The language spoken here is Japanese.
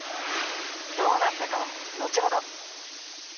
どうなったかは後ほど。